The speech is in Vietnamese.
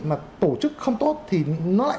mà tổ chức không tốt thì nó lại